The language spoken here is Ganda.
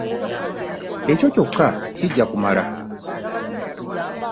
Ekyo kyokka kijja kummala.